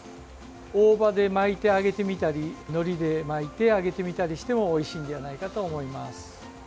大葉で巻いて揚げてみたりのりで巻いて揚げてみたりしてもおいしいんじゃないかと思います。